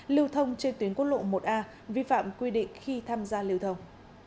lưu thông trên tuyến quốc lộ một a vi phạm quy định khi tham gia lưu thông